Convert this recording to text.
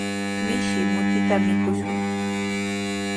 Mishki mutita mikushun.